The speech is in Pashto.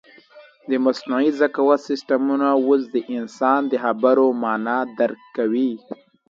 د مصنوعي ذکاوت سیسټمونه اوس د انسان د خبرو مانا درک کوي.